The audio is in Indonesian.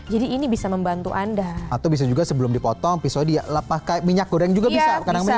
jadi ini bisa membantu anda atau bisa juga sebelum dipotong pisaunya dipakai minyak goreng juga bisa